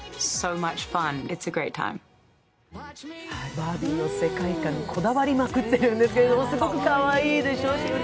バービーの世界観にこだわりまくっているんだけれどもすごくかわいいでしょ。